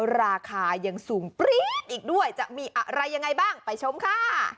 ราคายังสูงปรี๊ดอีกด้วยจะมีอะไรยังไงบ้างไปชมค่ะ